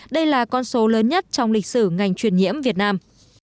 đây là con số lớn nhất trong lịch sử ngành truyền nhiễm việt nam